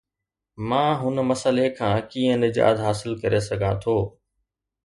مان هن مسئلي کان ڪيئن نجات حاصل ڪري سگهان ٿو؟